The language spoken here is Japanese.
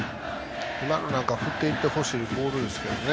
振っていってほしいボールですけどね。